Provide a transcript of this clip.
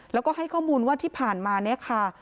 แล้วก็ให้ข้อมูลว่าที่ผ่านมาเนี่ยค่ะ